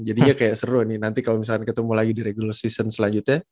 jadinya kayak seru nih nanti kalau misalnya ketemu lagi di regula season selanjutnya